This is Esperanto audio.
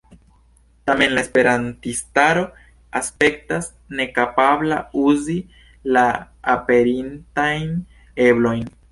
Tamen, la Esperantistaro aspektas nekapabla uzi la aperintajn eblojn.